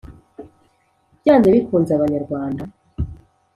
Byanze bikunze, Abanyarwanda.